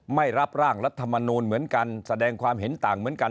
ไม่รับร่างรัฐมนูลเหมือนกันแสดงความเห็นต่างเหมือนกัน